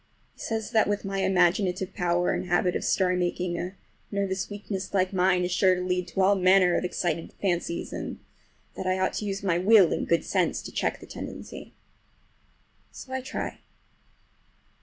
He says that with my imaginative power and habit of story making a nervous weakness like mine is sure to lead to all manner of excited fancies, and that I ought to use my will and good sense to check the tendency. So I try.